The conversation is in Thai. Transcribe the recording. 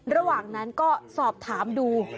ระหว่างนั้นก็สอบถามดู